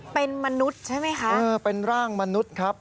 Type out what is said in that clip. เป็นมนุษย์ใช่ไหมคะเออเป็นร่างมนุษย์ครับ